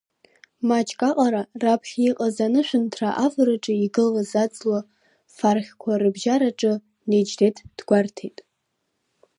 Маҷк аҟара раԥхьа иҟаз анышәынҭра авараҿы игылаз аҵла фархьқәа рыбжьараҿы Неџьдеҭ дгәарҭеит.